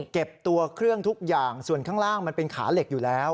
เก็บตัวเครื่องทุกอย่างส่วนข้างล่างมันเป็นขาเหล็กอยู่แล้ว